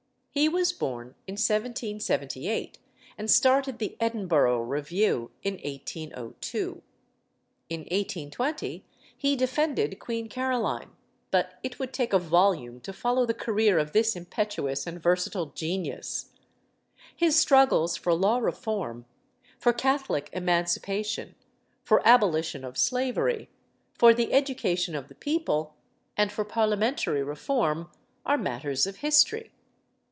He was born in 1778, and started the Edinburgh Review in 1802. In 1820 he defended Queen Caroline; but it would take a volume to follow the career of this impetuous and versatile genius. His struggles for law reform, for Catholic emancipation, for abolition of slavery, for the education of the people, and for Parliamentary reform, are matters of history.